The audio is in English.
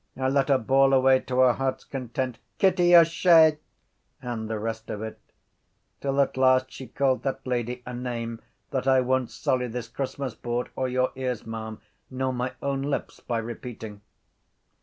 I let her bawl away, to her heart’s content, Kitty O’Shea and the rest of it till at last she called that lady a name that I won’t sully this Christmas board nor your ears, ma’am, nor my own lips by repeating.